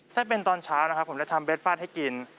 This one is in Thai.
ถ้าเป็นตอนเช้านะครับผมจะทำเบสฟาดให้กิน